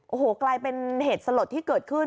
โอ้โหกลายเป็นเหตุสลดที่เกิดขึ้น